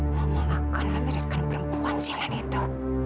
mama akan memeriksa perempuan si alani itu